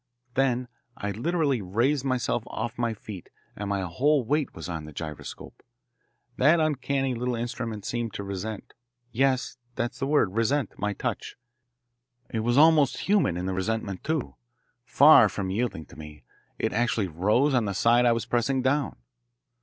Then I literally raised myself off my feet, and my whole weight was on the gyroscope. That uncanny little instrument seemed to resent yes, that's the word, resent my touch. It was almost human in the resentment, too. Far from yielding to me, it actually rose on the side I was pressing down!